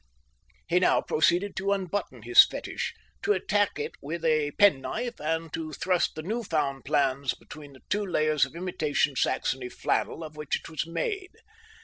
He now proceeded to unbutton his fetish, to attack it with a penknife, and to thrust the new found plans between the two layers of imitation Saxony flannel of which it was made.